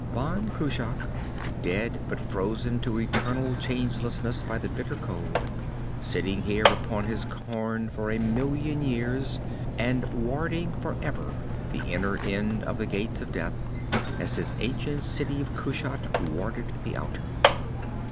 Ban Cruach, dead but frozen to eternal changelessness by the bitter cold, sitting here upon his cairn for a million years and warding forever the inner end of the Gates of Death, as his ancient city of Kushat warded the outer.